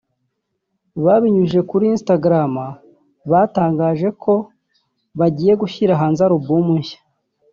Babinyujije kuri Instagram batangaje ko bagiye gushyira hanze album nshya